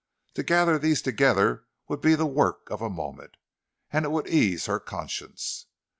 To gather these together would be the work of a moment, and it would ease her conscience.